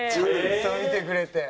ちゃんと見てくれて。